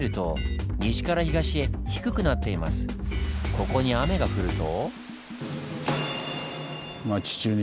ここに雨が降ると。